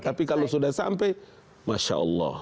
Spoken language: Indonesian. tapi kalau sudah sampai masya allah